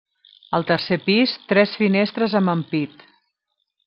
Al tercer pis, tres finestres amb ampit.